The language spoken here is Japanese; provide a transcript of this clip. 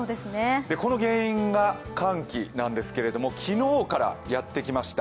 この原因が寒気なんですけれども昨日からやってきました。